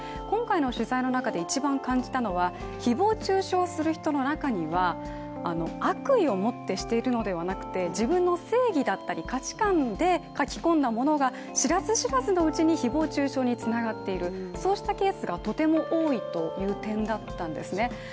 今回の取材の中で一番感じたのは誹謗中傷をする人の中には悪意を持ってしているのではなくて、自分の正義だったり価値観で書き込んだものが知らず知らずのうちに誹謗中傷につながっている、そうしたケースがとても多いという点だったんですね。